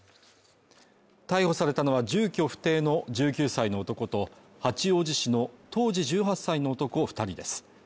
逮捕されたのは住居不定の１９歳の男と、八王子市の当時１８歳の男２人です。